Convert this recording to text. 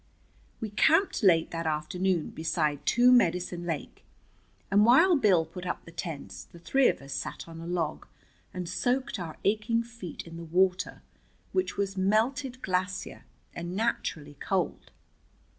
We camped late that afternoon beside Two Medicine Lake, and while Bill put up the tents the three of us sat on a log and soaked our aching feet in the water which was melted glacier, and naturally cold.